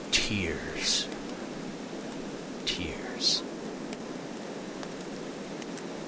tears! tears!